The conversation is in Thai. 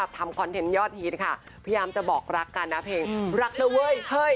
คอนเทนต์ยอดฮิตค่ะพยายามจะบอกรักกันนะเพลงรักนะเว้ยเฮ้ย